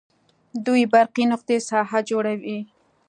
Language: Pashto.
دوې برقي نقطې ساحه جوړوي.